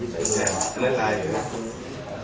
สวัสดีครับทุกคน